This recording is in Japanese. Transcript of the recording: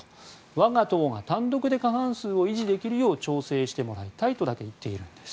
我が党が単独で過半数を維持できるよう調整してもらいたいとだけ言っているんです。